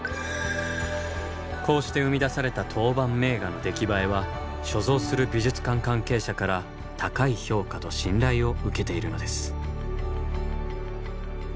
こうして生み出された陶板名画の出来栄えは所蔵する美術館関係者から高い評価と信頼を受けているのです。